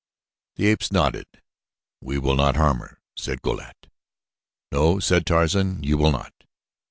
The apes nodded. "We will not harm her," said Go lat. "No," said Tarzan. "You will not.